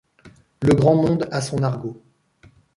Le grand monde a son argot.